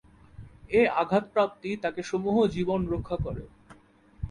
এ আঘাতপ্রাপ্তি তাকে সমূহ জীবন রক্ষা করে।